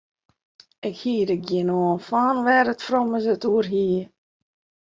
Ik hie der gjin aan fan wêr't it frommes it oer hie.